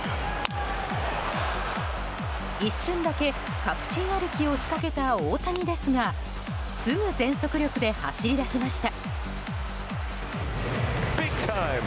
一瞬だけ確信歩きをしかけた大谷ですがすぐ全速力で走り出しました。